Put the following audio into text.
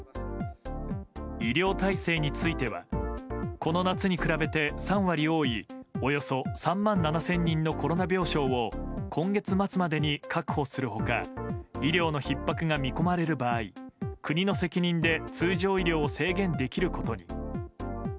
医療体制についてはこの夏に比べて３割多いおよそ３万７０００人のコロナ病床を今月末までに確保する他医療のひっ迫が見込まれる場合国の責任で通常医療を制限できることに。